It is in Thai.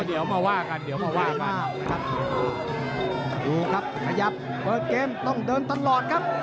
เดี๋ยวมาว่ากันเดี๋ยวมาว่าบ้างนะครับดูครับขยับเปิดเกมต้องเดินตลอดครับ